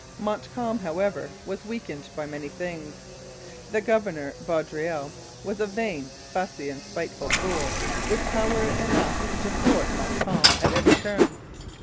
Montcalm, however, was weakened by many things. The governor, Vaudreuil, was a vain, fussy, and spiteful fool, with power enough to thwart Montcalm at every turn.